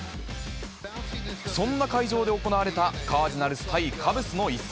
そんな会場で行われたカージナルス対カブスの一戦。